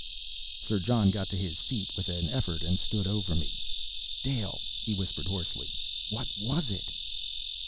Sir John got to his feet with an effort, and stood over me. "Dale," he whispered hoarsely, "what was it?"